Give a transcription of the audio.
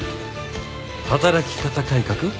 働き方改革？